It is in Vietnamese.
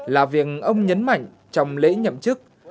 là việc ông nhấn mạnh trong lễ nhậm chức